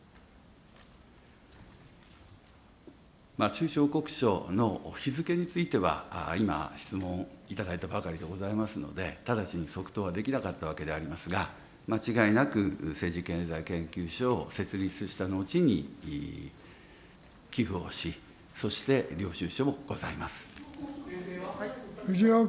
収支報告書の日付については、今、質問いただいたばかりでございますので、直ちに即答はできなかったわけでございますが、間違いなく政治経済研究所を設立した後に寄付をし、そして領収書もございます。